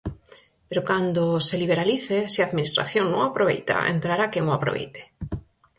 Pero cando se liberalice, se a Administración non o aproveita, entrará quen o aproveite.